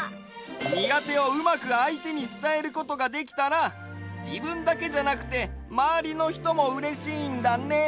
にがてをうまくあいてにつたえることができたらじぶんだけじゃなくてまわりのひともうれしいんだね。